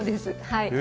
はい。